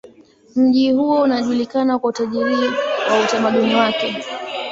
Mji huo unajulikana kwa utajiri wa utamaduni wake.